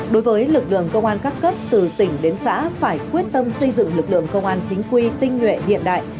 đối với lực lượng công an các cấp từ tỉnh đến xã phải quyết tâm xây dựng lực lượng công an chính quy tinh nguyện hiện đại